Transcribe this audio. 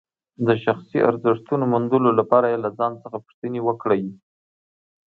د شخصي ارزښتونو موندلو لپاره له ځان څخه پوښتنې وکړئ.